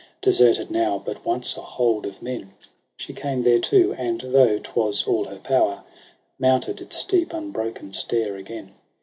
Deserted now, but once a hold of men. She came thereto, and, though 'twas all her power, Mounted its steep unbroken stair again.